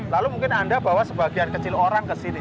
lalu mungkin anda bawa sebagian kecil orang ke sini